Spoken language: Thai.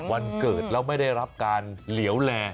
วันเกิดแล้วไม่ได้รับการเหลวแล